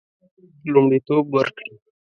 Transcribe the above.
لومړیتوب ورکړي.